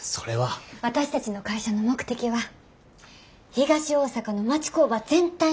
私たちの会社の目的は東大阪の町工場全体の活性化です。